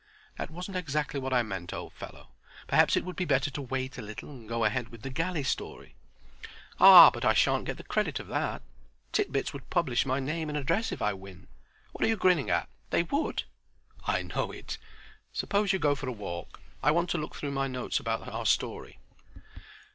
"That wasn't exactly what I meant, old fellow: perhaps it would be better to wait a little and go ahead with the galley story." "Ah, but I sha'n't get the credit of that. Tit Bits would publish my name and address if I win. What are you grinning at? They would." "I know it. Suppose you go for a walk. I want to look through my notes about our story."